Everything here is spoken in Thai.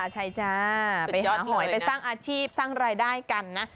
ใช่จ้าไปหาหอยไปสร้างอาชีพสร้างรายได้กันนะ